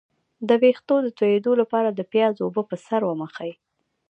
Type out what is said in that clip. د ویښتو تویدو لپاره د پیاز اوبه په سر ومښئ